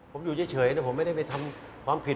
ผมอยู่เฉยผมไม่ได้ไปทำความผิด